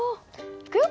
いくよ。